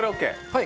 はい。